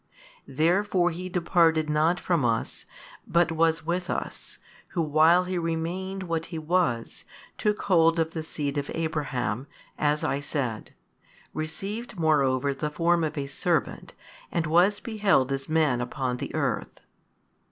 Therefore He departed not 4 from us, but was with us, Who while He remained what He was, took hold of the seed of Abraham, as I said; received moreover the form of a servant, and was beheld as Man upon the earth.